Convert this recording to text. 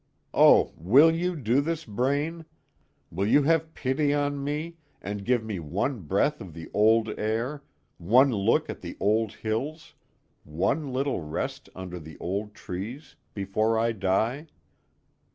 Oh! will you do this, Braine? Will you have pity on me, and give me one breath of the old air, one look at the old hills, one little rest under the old trees, before I die?"